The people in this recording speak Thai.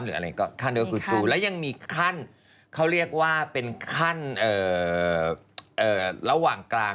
หรืออะไรก็ขั้นเดียวคุณตูแล้วยังมีขั้นเขาเรียกว่าเป็นขั้นระหว่างกลาง